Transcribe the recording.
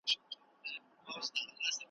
عبدالحی حبيبي